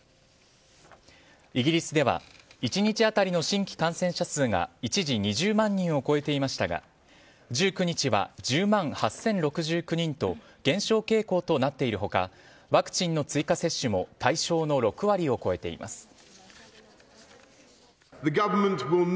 イギリスでは一日当たりの新規感染者数が一時２０万人を超えていましたが１９日は１０万８０６９人と減少傾向となっている他ワクチンの追加接種も対象の６割を超えています。